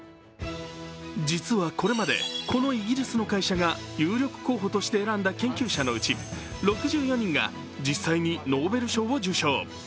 実は、これまでこのイギリスの会社が有力候補として選んだ研究者のうち６４人が実際にノーベル賞を受賞。